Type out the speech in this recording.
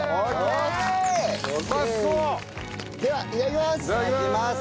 ではいただきます。